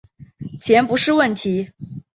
钱不是问题